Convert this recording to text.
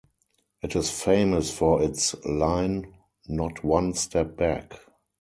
It is famous for its line Not one step back!